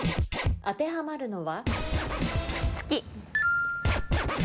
当てはまるのは？